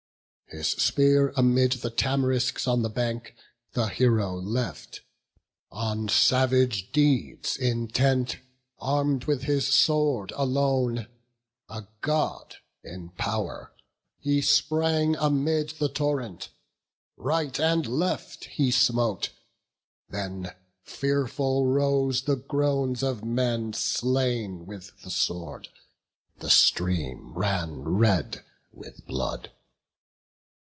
His spear amid the tamarisks on the bank The hero left; on savage deeds intent, Arm'd with his sword alone, a God in pow'r, He sprang amid the torrent; right and left He smote; then fearful rose the groans of men Slain with the sword; the stream ran red with blood.